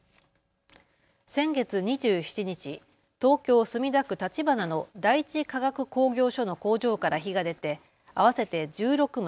先月２７日、東京墨田区立花の第一化学工業所の工場から火が出て合わせて１６棟